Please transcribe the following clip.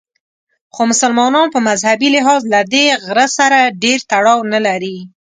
خو مسلمانان په مذهبي لحاظ له دې غره سره ډېر تړاو نه لري.